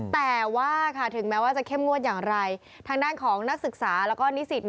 แต่ว่าถึงแม้ว่าจะเข้มงวดอย่างไรทางด้านของนักศึกษาแล้วก็นิสิต